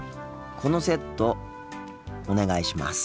このセットお願いします。